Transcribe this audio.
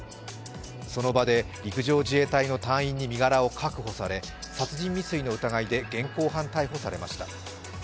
その場で陸上自衛隊の隊員に身柄を確保され、殺人未遂の疑いで現行犯逮捕されました。